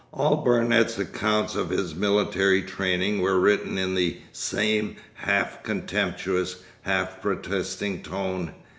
All Barnet's accounts of his military training were written in the same half contemptuous, half protesting tone.